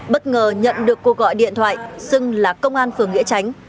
bất ngờ nhận được cô gọi điện thoại xưng là công an phường nghĩa tránh